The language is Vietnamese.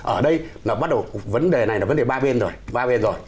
ở đây nó bắt đầu vấn đề này là vấn đề ba bên rồi